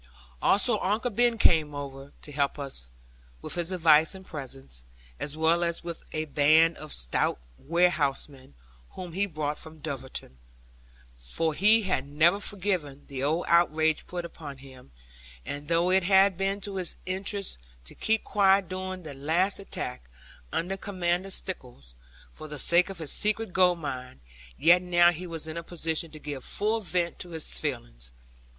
Also Uncle Ben came over to help us with his advice and presence, as well as with a band of stout warehousemen, whom he brought from Dulverton. For he had never forgiven the old outrage put upon him; and though it had been to his interest to keep quiet during the last attack, under Commander Stickles for the sake of his secret gold mine yet now he was in a position to give full vent to his feelings.